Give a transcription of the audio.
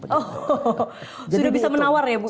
sudah bisa menawar ya bu ya